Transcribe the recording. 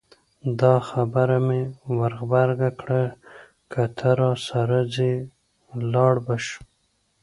دا خبره مې ور غبرګه کړه که ته راسره ځې لاړ به شو.